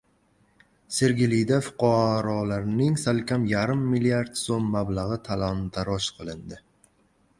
Sergelida fuqarolarning salkam yarim milliard so‘m mablag‘i talon-toroj qilindi